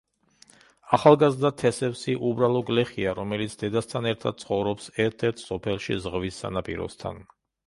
ახალგაზრდა თესევსი უბრალო გლეხია, რომელიც დედასთან ერთად ცხოვრობს ერთ-ერთ სოფელში ზღვის სანაპიროსთან.